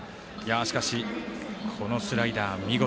しかし、このスライダー見事。